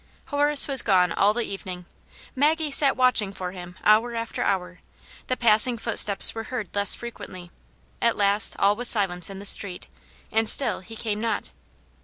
Horac? was gone all the evening. Maggie sat watching for him hour after hour ; the passing foot steps were heard less frequently ; at last all was silence in the street, and still he came not.